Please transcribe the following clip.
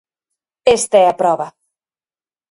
Esta é a proba.